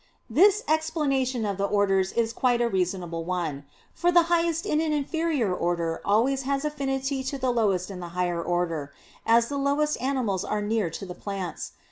This explanation of the orders is quite a reasonable one. For the highest in an inferior order always has affinity to the lowest in the higher order; as the lowest animals are near to the plants.